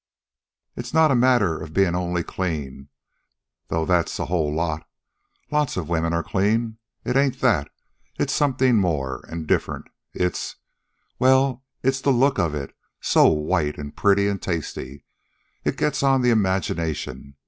"It's not a matter of bein' only clean, though that's a whole lot. Lots of women are clean. It ain't that. It's something more, an' different. It's... well, it's the look of it, so white, an' pretty, an' tasty. It gets on the imagination.